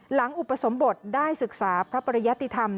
อุปสมบทได้ศึกษาพระปริยติธรรม